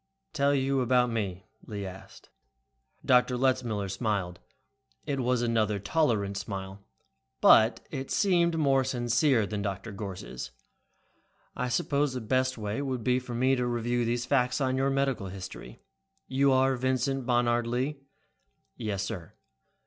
"Tell you about me?" Lee asked. Dr. Letzmiller smiled. It was another tolerant smile, but it seemed more sincere than Gorss'. "I suppose the best way would be for me to review these facts on your medical history. You are Vincent Bonard Lee?" "Yes, sir."